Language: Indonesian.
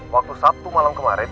waktu sabtu malam kemarin